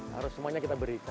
harus semuanya kita berikan